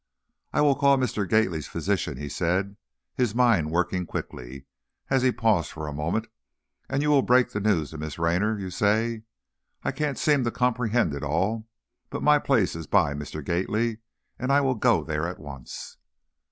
"I will call Mr. Gately's physician," he said, his mind working quickly, as he paused a moment, "and you will break the news to Miss Raynor, you say? I can't seem to comprehend it all! But my place is by Mr. Gately and I will go there at once."